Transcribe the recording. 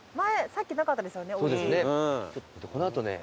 さっきなかったですよね